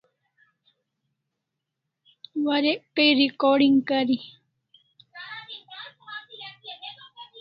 Warek Kai recoding kari